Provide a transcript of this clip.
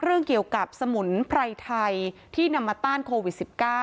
เรื่องเกี่ยวกับสมุนไพรไทยที่นำมาต้านโควิด๑๙